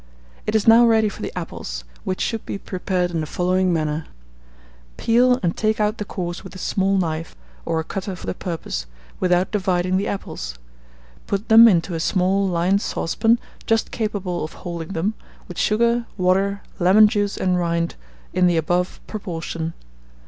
It is now ready for the apples, which should be prepared in the following manner: peel, and take out the cores with a small knife, or a cutter for the purpose, without dividing the apples; put them into a small lined saucepan, just capable of holding them, with sugar, water, lemon juice and rind, in the above proportion.